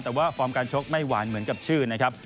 แต่ว่าฟอร์มการชกไม่หวานเหมือนกับชื่อนะครับ